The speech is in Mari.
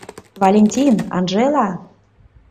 Валентин, Анжела!